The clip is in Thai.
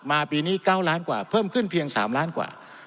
ปีนี้๙ล้านกว่าเพิ่มขึ้นเพียง๓ล้านกว่า